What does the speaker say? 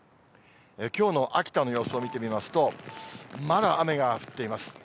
きょうの秋田の様子を見てみますと、まだ雨が降っています。